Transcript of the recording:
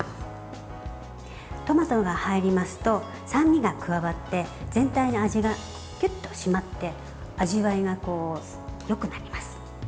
トマトが入りますと酸味が加わって全体に味がぎゅっと締まって味わいがよくなります。